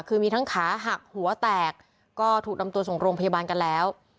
คือมีทั้งขาหักหัวแตกก็ถูกนำตัวส่งโรงพยาบาลกันแล้ว